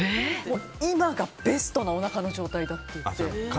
今がベストなおなかの状態だって言って。